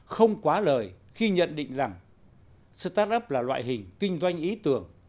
không quá lời khi nhận định rằng start up là loại hình kinh doanh ý tưởng